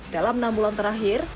dalam enam bulan terakhir